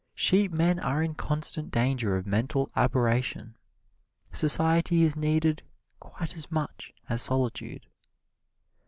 Sheepmen are in constant danger of mental aberration. Society is needed quite as much as solitude.